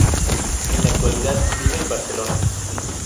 En la actualidad vive en Barcelona.